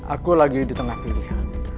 aku lagi ditengah pilihan